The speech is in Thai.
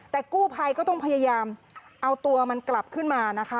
แต่กู้ภัยก็ต้องพยายามเอาตัวมันกลับขึ้นมานะคะ